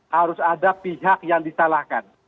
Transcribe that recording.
harus ada pihak yang disalahkan